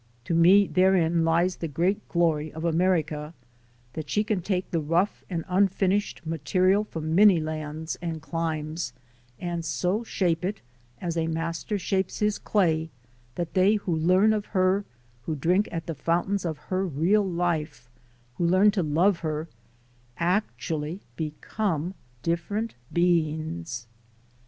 To me therein lies the great glory of America; that she can take the rough and un finished material from many lands and climes and so shape it, as a master shapes his clay, that they who learn of her, who drink at the fountains of her real life, who learn to love her, actually become different beings.